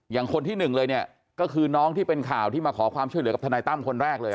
คนที่หนึ่งเลยเนี่ยก็คือน้องที่เป็นข่าวที่มาขอความช่วยเหลือกับทนายตั้มคนแรกเลย